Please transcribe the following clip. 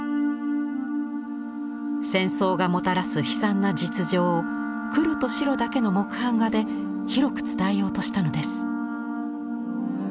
戦争がもたらす悲惨な実情を黒と白だけの木版画で広く伝えようとしたのです。